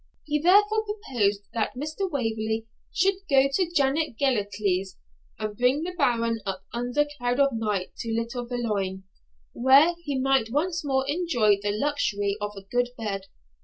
He therefore proposed that Mr. Waverley should go to Janet Gellatley's and bring the Baron up under cloud of night to Little Veolan, where he might once more enjoy the luxury of a good bed.